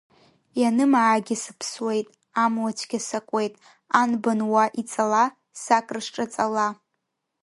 Ианымаагьы сыԥсуеит, амла цәгьа сакуеит, Анбан уа иҵала, са крысҿаҵала!